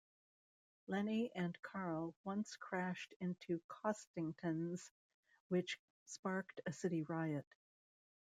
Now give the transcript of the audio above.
Lenny and Carl once crashed into Costington's, which sparked a city riot.